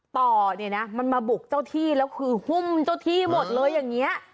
ต่อเนี่ยนะมันมาบุกเจ้าที่แล้วคือหุ้มเจ้าที่หมดเลยอย่างนี้